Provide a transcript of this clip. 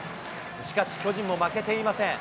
しかし、巨人も負けていません。